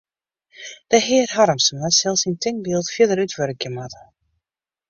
De hear Harmsma sil syn tinkbyld fierder útwurkje moatte.